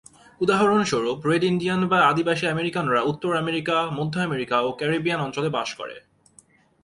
উদাহরণস্বরূপ, red Indian বা আদিবাসী আমেরিকানরা উত্তর আমেরিকা, মধ্য আমেরিকা ও ক্যারিবিয়ান অঞ্চলে বাস করে।